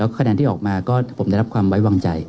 แล้วก็คะแนนที่ออกมาผมได้รับความไว้วางใจ